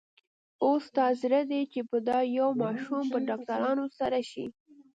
اوس ستا زړه دی چې په دا يوه ماشوم په ډاکټرانو سر شې.